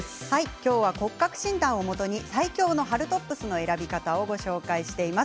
今日は骨格診断をもとに最強の春トップスの選び方をご紹介しています。